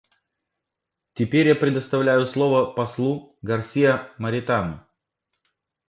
Теперь я предоставляю слово послу Гарсиа Моритану.